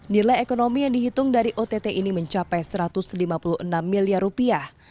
nilai ekonomi yang dihitung dari ott ini mencapai satu ratus lima puluh enam miliar rupiah